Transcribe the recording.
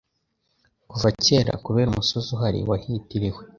kuva kera kubera umusozi uhari wahitiriwe;